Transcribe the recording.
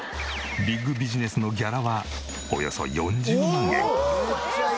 ビッグビジネスのギャラはおよそ４０万円。